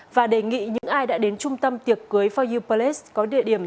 và đề nghị những ai đã đến trung tâm tiệc cưới for you palace có địa điểm